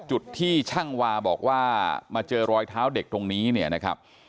จุดที่ช่างวาบอกว่ามาเจอรอยเท้าเด็กตรงนี้เนี่ยนะครับ